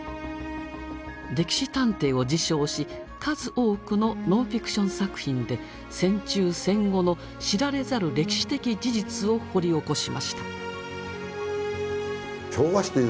「歴史探偵」を自称し数多くのノンフィクション作品で戦中戦後の知られざる歴史的事実を掘り起こしました。